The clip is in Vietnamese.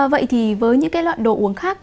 vậy thì với những loại đồ uống khác